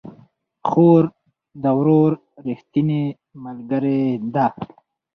خور د ورور ريښتينې ملګرې ده